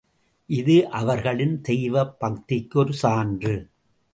இது அவர்களின் தெய்வ பக்திக்கு ஒரு சான்று.